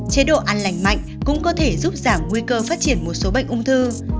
chế độ ăn lành mạnh cũng có thể giúp giảm nguy cơ phát triển một số bệnh ung thư